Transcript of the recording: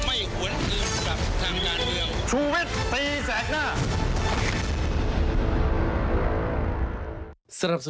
ไม่หวนอื่นกับทางงานเดียว